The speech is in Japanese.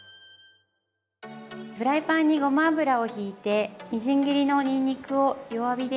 フライパンにごま油をひいてみじん切りのにんにくを弱火で。